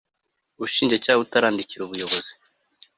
ubushinjacyaha butarandikira ubuyobozi